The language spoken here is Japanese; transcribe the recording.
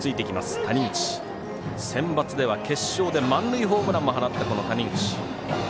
センバツでは決勝で満塁ホームランも放ったこの谷口。